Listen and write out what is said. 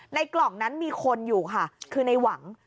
กล่องนั้นมีคนอยู่ค่ะคือในหวัง